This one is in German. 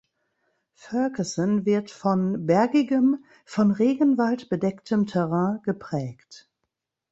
Fergusson wird von bergigem, von Regenwald bedecktem Terrain geprägt.